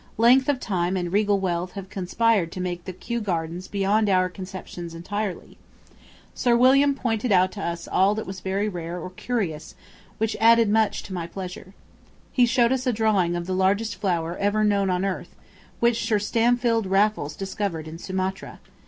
Length of time and regal wealth have conspired to make the Kew gardens beyond our conceptions entirely. ... Sir William pointed out to us all that was very rare or curious, which added much to my pleasure. ... He showed us a drawing of the largest flower ever known on earth, which Sir Stamford Raffles discovered in Sumatra.